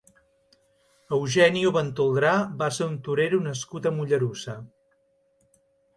Eugenio Ventoldrá va ser un torero nascut a Mollerussa.